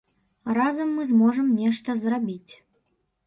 Разам мы зможам нешта зрабіць.